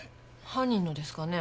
犯人のですかね？